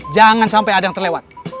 jangan sampai ada yang terlewat